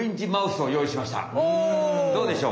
どうでしょう？